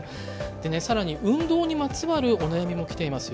更に運動にまつわるお悩みも来ていますよ。